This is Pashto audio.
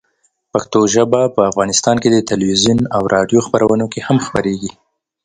پښتو ژبه په افغانستان کې د تلویزیون او راډیو خپرونو کې هم خپرېږي.